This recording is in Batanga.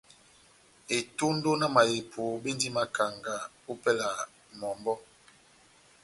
Etondo na mahepo bendi makanga ópɛlɛ ya mɔmbɔ́.